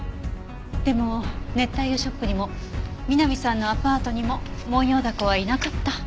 でも熱帯魚ショップにも美波さんのアパートにもモンヨウダコはいなかった。